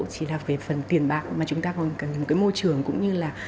chỉ là về phần tiền bạc mà chúng ta còn cần một cái môi trường cũng như là